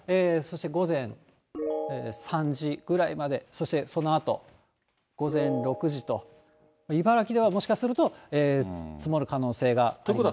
そして午前３時ぐらいまで、そしてそのあと、午前６時と、茨城ではもしかすると、積もる可能性があります。